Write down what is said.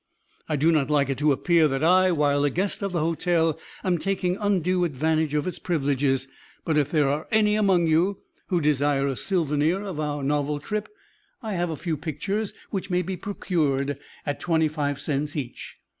I do not like it to appear that I, while a guest of the hotel, am taking undue advantage of its privileges, but if there are any among you who desire a souvenir of our novel trip I have a few pictures which may be procured at twenty five cents each.